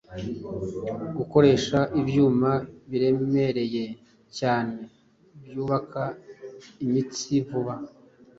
Gukoresha ibyuma biremereye cyane byubaka imitsi vuba